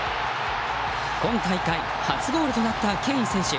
今大会、初ゴールとなったケイン選手。